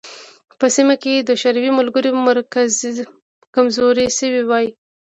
په سیمه کې د شوروي ملګري کمزوري شوي وای.